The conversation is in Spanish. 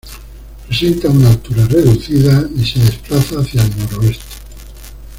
Presenta una altura reducida y se desplaza hacia el noroeste.